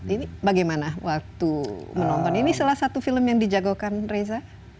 ini bagaimana waktu menonton ini salah satu film yang dijagokan reza